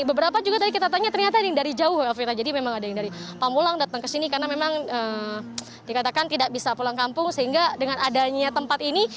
beberapa juga tadi kita tanya ternyata yang dari jauh elvira jadi memang ada yang dari pamulang datang ke sini karena memang dikatakan tidak bisa pulang kampung sehingga dengan adanya tempat ini